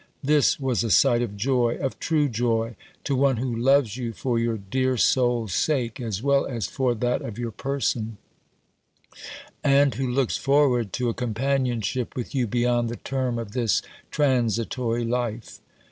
this was a sight of joy, of true joy! to one who loves you for your dear soul's sake, as well as for that of your person; and who looks forward to a companionship with you beyond the term of this transitory life."